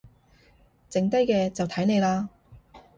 剩低嘅就睇你喇